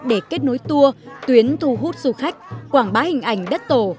để kết nối tour tuyến thu hút du khách quảng bá hình ảnh đất tổ